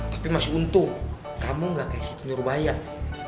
tapi masih untung kamu nggak kayak si tunyur bayak